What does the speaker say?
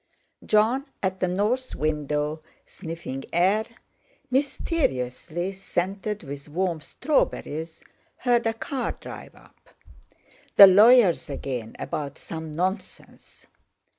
Jon, at the north window, sniffing air mysteriously scented with warm strawberries, heard a car drive up. The lawyers again about some nonsense!